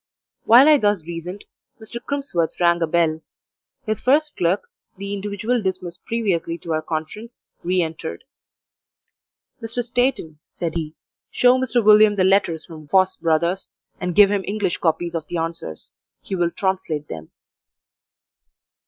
While I thus reasoned, Mr. Crimsworth rang a bell; his first clerk, the individual dismissed previously to our conference, re entered. "Mr. Steighton," said he, "show Mr. William the letters from Voss, Brothers, and give him English copies of the answers; he will translate them."